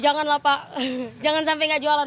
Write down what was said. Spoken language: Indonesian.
jangan lah pak jangan sampai nggak jualan